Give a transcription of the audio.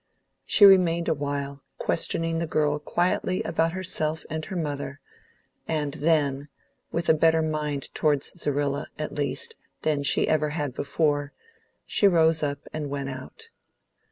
She remained a while, questioning the girl quietly about herself and her mother, and then, with a better mind towards Zerrilla, at least, than she had ever had before, she rose up and went out.